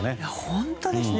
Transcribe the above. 本当ですね。